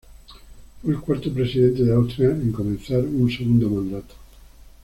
Fue el cuarto presidente de Austria en comenzar un segundo mandato.